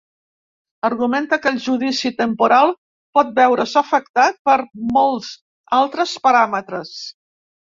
Argumenta que el judici temporal pot veure's afectat per molts altres paràmetres.